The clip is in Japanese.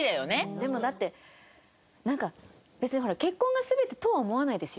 でもだってなんか別にほら結婚が全てとは思わないですよ。